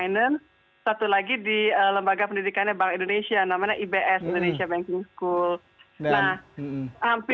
ini saya meletakkan di s tiga ini ya